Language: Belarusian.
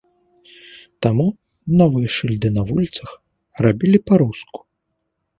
Таму новыя шыльды на вуліцах рабілі па-руску.